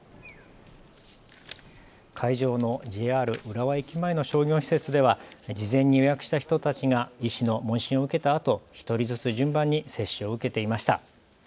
会場のＪＲ浦和駅前の商業施設では、事前に予約した人たちが医師の問診を受けたあと、１人ずつ順番に接種を受けていました。